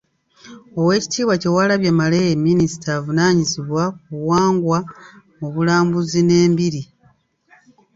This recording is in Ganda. Oweekitiibwa Kyewalabye Male ye minisita avunaanyizibwa ku Buwangwa, Obulambuzi n’Embiri.